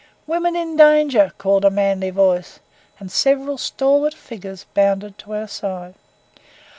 "Women in danger!" shouted a manly voice, and several stalwart figures bounded to our side.